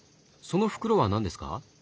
その袋は何ですか？